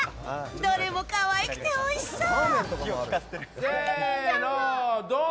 どれも可愛くておいしそう！